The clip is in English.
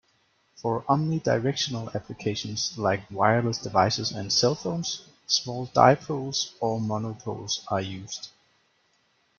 For omnidirectional applications like wireless devices and cellphones, small dipoles or monopoles are used.